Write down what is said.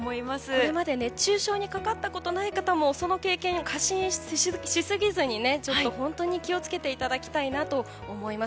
これまで熱中症にかかったことがない方もその経験、過信しすぎずに本当に気を付けていただきたいと思います。